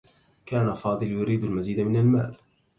كان فاضل يريد المزيد من المال.